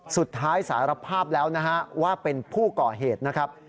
สารภาพแล้วนะฮะว่าเป็นผู้ก่อเหตุนะครับ